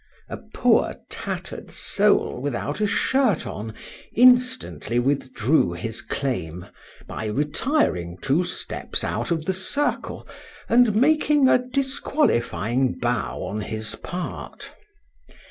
A poor tatter'd soul, without a shirt on, instantly withdrew his claim, by retiring two steps out of the circle, and making a disqualifying bow on his part.